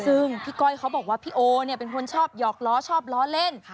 ซึ่งพี่ก้อยเขาบอกว่าพี่โอเนี่ยเป็นคนชอบหยอกล้อชอบล้อเล่น